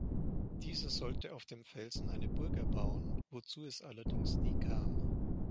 Dieser sollte auf dem Felsen eine Burg erbauen, wozu es allerdings nie kam.